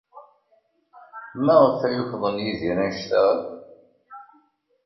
Maɣef ay ukḍen Yidir anect-a akk?